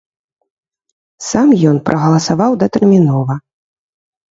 Сам ён прагаласаваў датэрмінова.